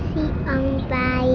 makasih om baik